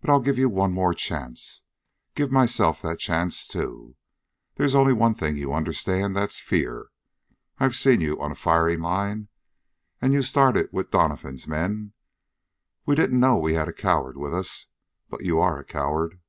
But I'll give you one more chance give myself that chance too. There's only one thing you understand. That's fear. Yet I've seen you on a firing line, and you started with Doniphan's men. We didn't know we had a coward with us. But you are a coward.